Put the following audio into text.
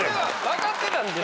分かってたんですよ。